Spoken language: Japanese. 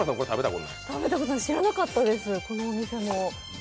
食べたことない知らなかったです、このお店も。